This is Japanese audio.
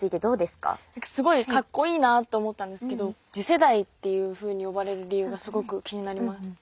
すごいかっこいいなと思ったんですけど次世代っていうふうに呼ばれる理由がすごく気になります。